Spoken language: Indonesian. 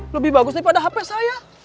lebih bagus daripada hp saya